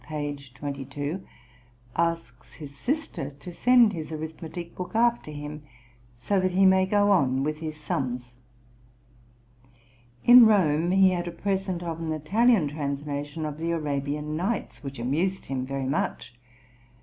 22), asks his sister to send his arithmetic book after him, so that he may go on with his sums. In Rome he had a present of an Italian translation of the "Arabian Nights," which amused him very much.